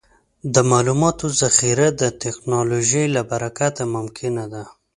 د معلوماتو ذخیره د ټکنالوجۍ له برکته ممکنه ده.